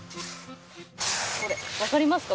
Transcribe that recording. これわかりますか？